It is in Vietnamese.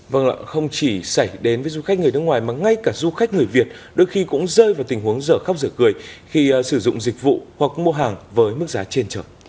vâng ạ không chỉ xảy đến với du khách người nước ngoài mà ngay cả du khách người việt đôi khi cũng rơi vào tình huống giờ khóc giờ cười khi sử dụng dịch vụ hoặc mua hàng với mức giá trên trời